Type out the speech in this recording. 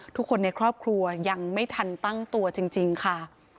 ทุกคนในครอบครัวยังไม่ทันตั้งตัวจริงค่ะ